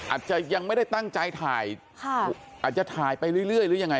อาจจะยังไม่ได้ตั้งใจถ่ายอาจจะถ่ายไปเรื่อยหรือยังไง